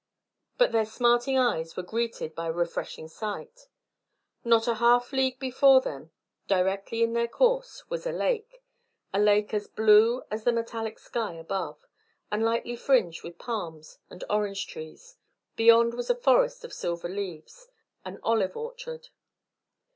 But their smarting eyes were greeted by a refreshing sight: not a half league before them, directly in their course, was a lake, a lake as blue as the metallic sky above, and lightly fringed with palms and orange trees. Beyond was a forest of silver leaves an olive orchard.